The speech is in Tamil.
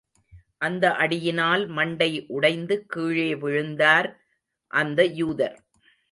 அந்த அடியினால் மண்டை உடைந்து கீழே விழுந்தார் அந்த யூதர்.